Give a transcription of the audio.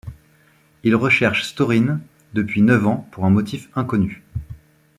Il recherche Storine depuis neuf ans pour un motif inconnu.